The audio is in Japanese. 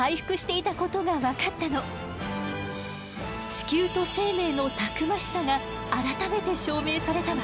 地球と生命のたくましさが改めて証明されたわ。